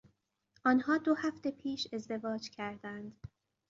آنها دو هفته پیش ازدواج کردند.